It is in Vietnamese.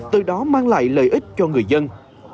từ đó mang lại lợi ích cho người dân